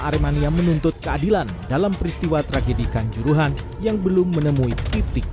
aremania menuntut keadilan dalam peristiwa tragedi kanjuruhan yang belum menemui titik